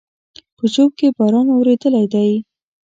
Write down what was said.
په ژوب کې باران اورېدلى دی